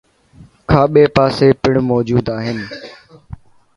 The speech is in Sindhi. ، کاٻي پاسي پڻ موجود آهن.